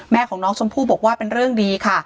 แม่ของน้องชมพู่บอกว่าเป็นเรื่องดีค่ะ